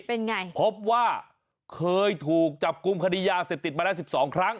เป็นไงพบว่าเคยถูกจับกุมคดียาเศรษฐ์ติดมาแล้ว๑๒ครั้ง